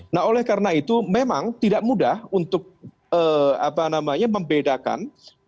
nah oleh karena itu memang tidak mudah untuk membedakan